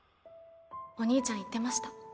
お兄ちゃん言ってました